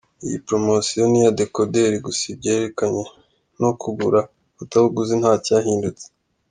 Iyi Promosiyo ni iya Dekoderi gusa ibyerekeranye no kugura ifatabuguzi ntacyahindutse.